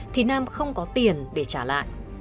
thì nam không có tiền để trả lại